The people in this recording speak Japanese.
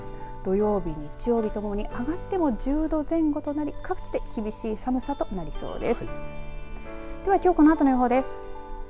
土曜日、日曜日ともに上がっても１０度前後となり、各地で厳しい寒さとなりそうです。